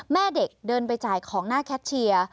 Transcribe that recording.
แม่เด็กเดินไปจ่ายของหน้าแคทเชียร์